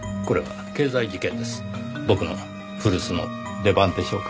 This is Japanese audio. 僕の古巣の出番でしょうかねぇ。